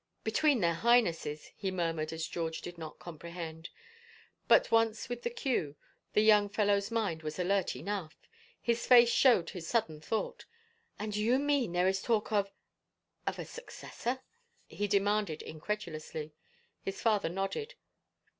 . between their Highnesses," he murmured as George did not compre hend. But once with the cue, the young fellow's mind was alert enough. His face showed his sudden thought. " And do you mean there is talk of — of a successor ?" he demanded incredulously. His father nodded.